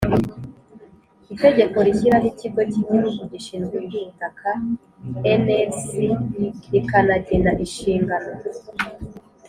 Itegeko rishyiraho ikigo cy igihugu gishinzwe iby ubutaka nlc rikanagena inshingano